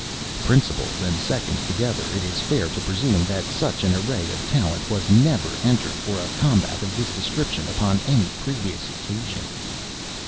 Principals and seconds together, it is fair to presume that such an array of talent was never entered for a combat of this description upon any previous occasion.